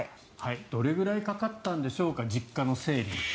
どれくらいかかったんでしょうか実家の整理。